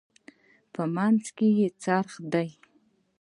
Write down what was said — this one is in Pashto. په منځ کې یې څرخ دی.